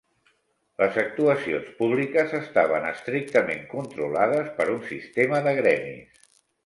Les actuacions públiques estaven estrictament controlades per un sistema de gremis.